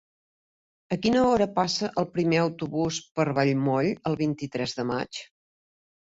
A quina hora passa el primer autobús per Vallmoll el vint-i-tres de maig?